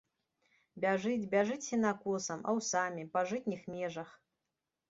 Бяжыць, бяжыць сенакосам, аўсамі, па жытніх межах.